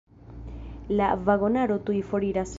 La vagonaro tuj foriras.